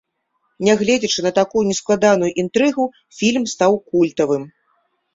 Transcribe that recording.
Нягледзячы на такую нескладаную інтрыгу, фільм стаў культавым.